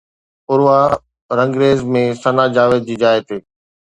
عروا رنگريز ۾ ثنا جاويد جي جاءِ تي